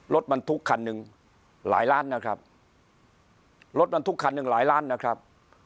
รถบรรทุกคันหนึ่งหลายล้านนะครับรถบรรทุกคันหนึ่งหลายล้านนะครับ